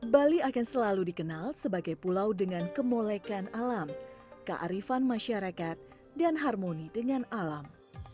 bali akan selalu dikenal sebagai pulau dengan kemolekan alam kearifan masyarakat dan harmoni dengan alam